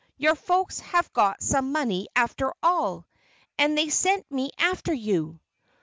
Your folks have got some money after all! And they sent me after you!"